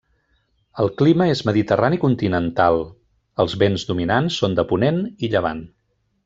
El clima és mediterrani continental; els vents dominants són de ponent i llevant.